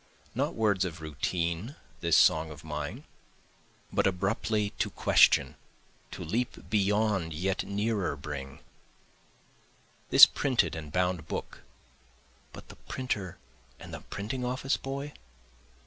Not words of routine this song of mine, But abruptly to question, to leap beyond yet nearer bring; This printed and bound book but the printer and the printing office boy?